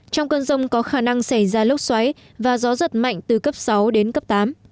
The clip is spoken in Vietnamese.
trong cơn rông có khả năng xảy ra lốc xoáy và gió giật mạnh từ cấp sáu đến cấp tám